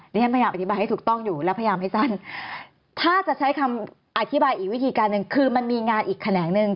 ฉันพยายามอธิบายให้ถูกต้องอยู่แล้วพยายามให้สั้นถ้าจะใช้คำอธิบายอีกวิธีการหนึ่งคือมันมีงานอีกแขนงหนึ่ง